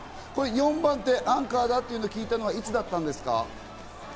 ４番手、アンカーだと聞いたのはいつだったんですか？